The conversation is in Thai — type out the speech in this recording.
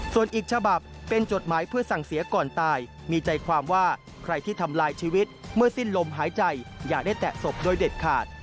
ส่วนอีกฉบับเป็นจดหมายเพื่อสั่งเสียก่อนตายมีใจความว่าใครที่ทำลายชีวิตเมื่อสิ้นลมหายใจอย่าได้แตะศพโดยเด็ดขาด